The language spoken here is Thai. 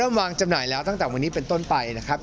วางจำหน่ายแล้วตั้งแต่วันนี้เป็นต้นไปนะครับ